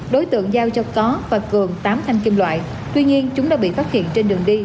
đối tượng giao cho có và cường tám thanh kim loại tuy nhiên chúng đã bị phát hiện trên đường đi